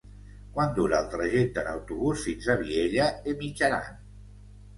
Quant dura el trajecte en autobús fins a Vielha e Mijaran?